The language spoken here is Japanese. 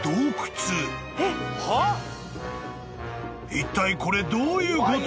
［いったいこれどういうこと？］